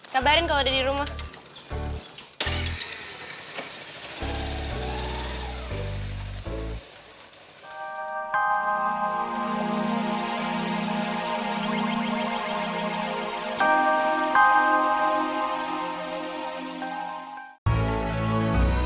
sabarin kalau udah di rumah